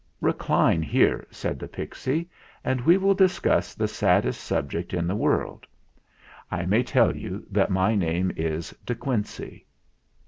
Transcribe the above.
"Recline here," said the pixy, "and we will discuss the saddest subject in the world. I may tell you that my name is De Quincey."